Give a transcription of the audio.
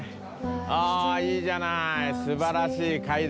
あいいじゃない。